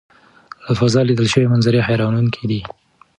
له فضا لیدل شوي منظرې حیرانوونکې دي.